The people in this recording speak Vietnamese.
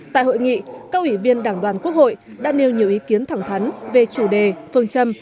tại hội nghị các ủy viên đảng đoàn quốc hội đã nêu nhiều ý kiến thẳng thắn về chủ đề phương châm